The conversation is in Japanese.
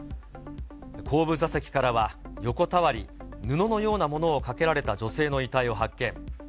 後部座席からは、横たわり、布のようなものをかけられた女性の遺体を発見。